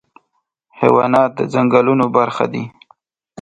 حیوانات د ځنګلونو برخه دي.